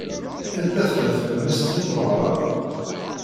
Anda tella tlemmast n umeɣrad?